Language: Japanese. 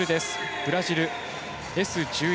ブラジルＳ１１